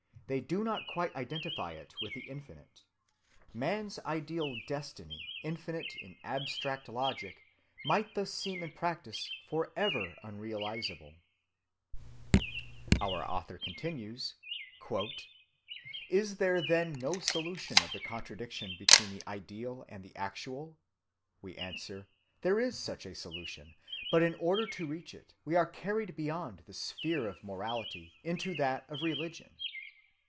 They do not quite identify it with the Infinite. Man's ideal destiny, infinite in abstract logic, might thus seem in practice forever unrealizable. "Is there, then," our author continues, "no solution of the contradiction between the ideal and the actual? We answer, There is such a solution, but in order to reach it we are carried beyond the sphere of morality into that of religion.